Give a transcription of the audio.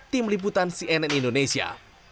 tim liputan cnn indonesia